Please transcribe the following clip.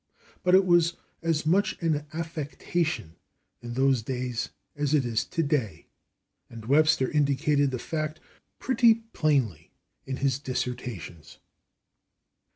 But it was as much an affectation in those [Pg060] days as it is today, and Webster indicated the fact pretty plainly in his "Dissertations."